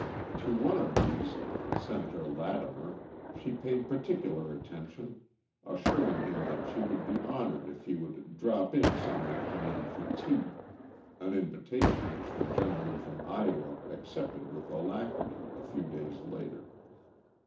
To one of these, Senator Lattimer, she paid particular attention, assuring him that she would be honored if he would "drop in some afternoon for tea," an invitation which the gentleman from Iowa accepted with alacrity a few days later.